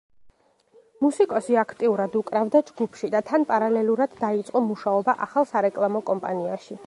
მუსიკოსი აქტიურად უკრავდა ჯგუფში და თან პარალელურად დაიწყო მუშაობა ახალ სარეკლამო კომპანიაში.